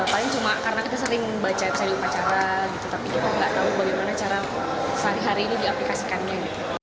paling cuma karena kita sering baca di upacara gitu tapi kita nggak tahu bagaimana cara sehari hari ini diaplikasikannya